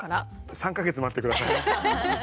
３か月待って下さい。